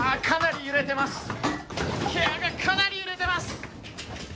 かなり揺れてます。